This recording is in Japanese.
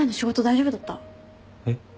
えっ？